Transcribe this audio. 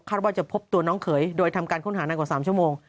ว่าจะพบตัวน้องเขยโดยทำการค้นหานานกว่า๓ชั่วโมง